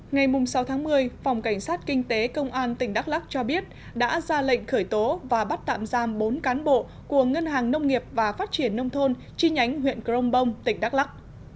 ngày sáu tháng một mươi phòng cảnh sát kinh tế công an tỉnh đắk lắc cho biết đã ra lệnh khởi tố và bắt tạm giam bốn cán bộ của ngân hàng nông nghiệp và phát triển nông thôn chi nhánh huyện crong bong tỉnh đắk lắc